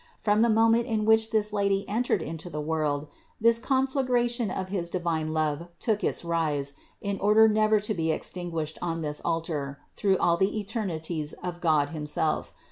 From the moment in which this Lady entered into the world, this conflagration of his divine love took its rise, in order never to be extin guished on this altar through all the eternities of God himself.